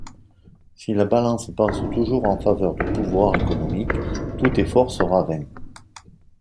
Si la balance penche toujours en faveur du pouvoir économique, tout effort sera vain.